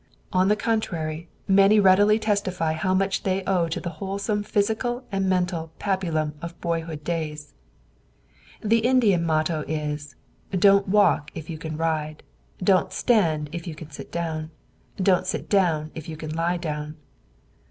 On the contrary, many readily testify how much they owe to the wholesome physical and mental pabulum of boyhood days. The Indian motto is: "Don't walk if you can ride; don't stand if you can sit down; don't sit down if you can lie down."